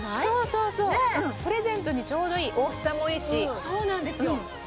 そうそうプレゼントにちょうどいい大きさもいいしそうなんですよ